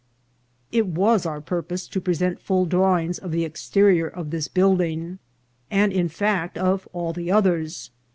It was our purpose to present full drawings of the exterior of this building, and, in fact, of all the others.